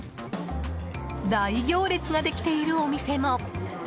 大行列ができているお店も。